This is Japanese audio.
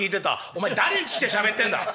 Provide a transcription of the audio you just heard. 「お前誰んち来てしゃべってんだ！